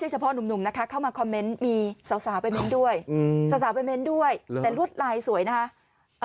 ใช่เฉพานุ่มนะคะเข้ามาคอมมันมีสาวไปกันด้วยแอ๊ะไหนน่ามันด้วยเลยมั่งลายสวยนะโอเค